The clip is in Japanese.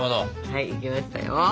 はいいけましたよ。